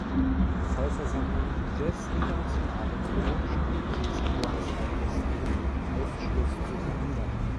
Vollversammlung des Internationalen Olympischen Komitees in Buenos Aires den Ausschluss zu verhindern.